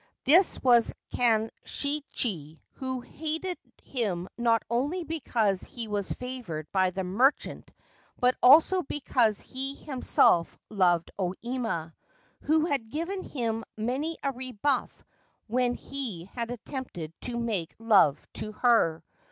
This was Kanshichi, who hated him not only because he was favoured by the merchant but also because he himself loved O Ima, who had given him many a rebuff when he had attempted to make love to her.